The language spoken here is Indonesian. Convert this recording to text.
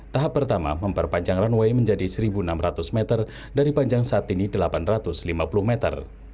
tahap pertama memperpanjang runway menjadi satu enam ratus meter dari panjang saat ini delapan ratus lima puluh meter